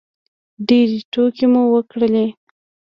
ډېرې ټوکې مو وکړلې.